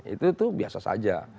itu tuh biasa saja